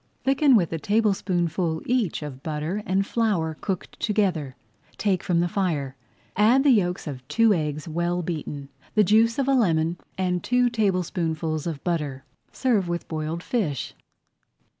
Thicken with a tablespoonful each of butter and flour cooked together, take from the fire, add the yolks of two eggs well beaten, the juice of a lemon, and two tablespoonfuls of butter. Serve with boiled fish.